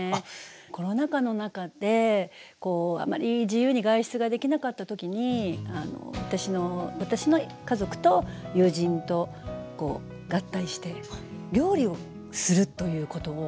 コロナ禍の中であまり自由に外出ができなかった時に私の家族と友人と合体して料理をするということをやりました